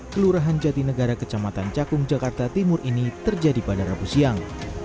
kelurahan jatinegara kecamatan cakung jakarta timur ini terjadi pada rabu siang